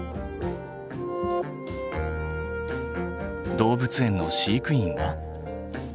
動物園の飼育員は？